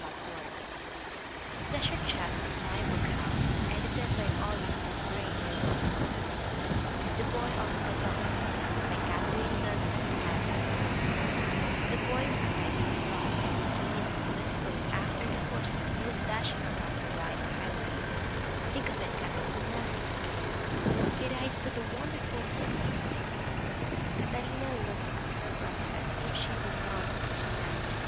— Old Rhyme 275 M Y BOOK HOUSE THE BOY OF CADORE* Katherine Dunlap Gather HE boy's eyes were dark, and they gazed wistfully after the horseman who was dashing along the white highway. 'Think of it, Catarina!" he exclaimed. He rides to the wonderful city." Catarina looked at her brother as if she did not understand.